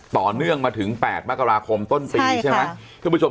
ต่อเนื่องมาถึงแปดมกราคมต้นปีใช่ไหมค่ะที่คุณผู้ชม